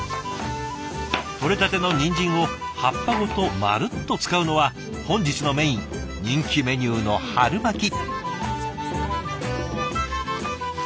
とれたてのニンジンを葉っぱごとまるっと使うのは本日のメイン人気メニューの春巻き！